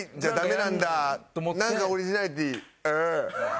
なんかオリジナリティー「ヌァァ」。